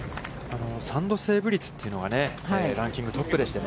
サンドセーブ率というのが、ランキングトップでして。